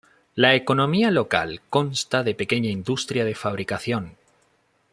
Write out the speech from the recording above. La economía local consta de pequeña industria de fabricación.